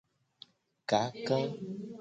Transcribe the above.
Kaka.